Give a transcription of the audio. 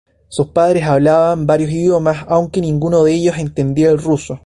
Sus padres hablaban varios idiomas, aunque ninguno de ellos entendía el ruso.